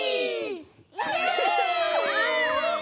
イエイ。